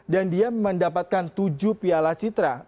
dan dia mendapatkan tujuh piala citra